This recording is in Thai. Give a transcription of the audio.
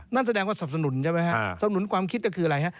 นั่นแสดงว่าสับสนุนใช่ไหมฮะสำนุนความคิดก็คืออะไรฮะ